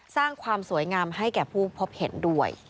สร้างความสวยงามให้แก่ผู้พบเห็นด้วย